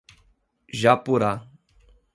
Japurá